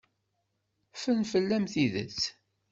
Ffren fell-am tidet.